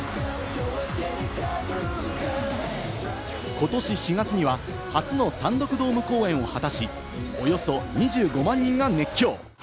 ことし４月には初の単独ドーム公演を果たし、およそ２５万人が熱狂。